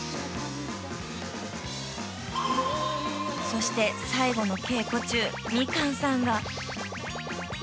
［そして最後の稽古中みかんさんが］